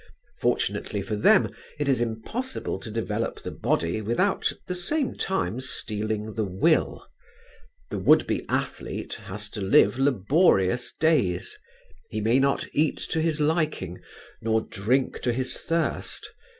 Fortunately for them it is impossible to develop the body without at the same time steeling the will. The would be athlete has to live laborious days; he may not eat to his liking, nor drink to his thirst.